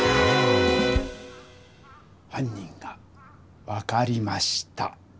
はん人が分かりました。